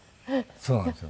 そうなんですよ。